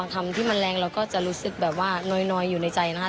คำที่มันแรงเราก็จะรู้สึกแบบว่าน้อยอยู่ในใจนะคะ